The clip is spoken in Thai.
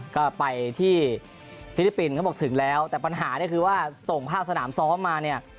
ก็ไปที่ฟิลิปปินส์เขาบอกถึงแล้วแต่ปัญหาเนี่ยคือว่าส่งภาพสนามซ้อมมาเนี่ย